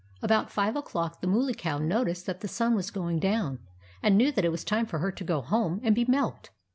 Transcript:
About five o'clock the Mooly Cow noticed that the sun was going down, and knew that it was time for her to go home and be milked.